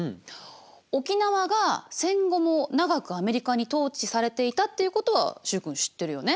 沖縄が戦後も長くアメリカに統治されていたっていうことは習君知ってるよね？